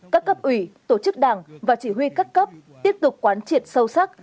các cấp ủy tổ chức đảng và chỉ huy các cấp tiếp tục quán triệt sâu sắc